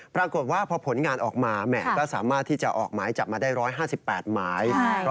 ปรากฏว่าพอผลงานออกมาแหมก็สามารถที่จะออกหมายจับมาได้๑๕๘หมาย